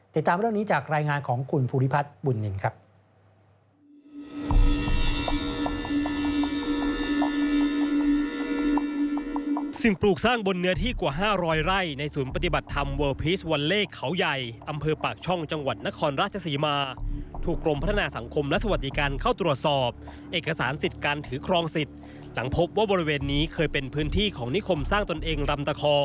ติดตามเรื่องนี้จากรายงานของคุณภูริพัฒน์บุญนินครับ